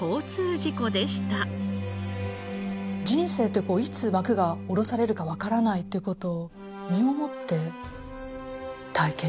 人生っていつ幕が下ろされるかわからないって事を身をもって体験したんですね。